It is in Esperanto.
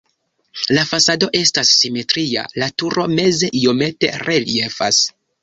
La fasado estas simetria, la turo meze iomete reliefas.